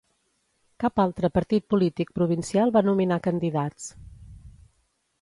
Cap altre partit polític provincial va nominar candidats.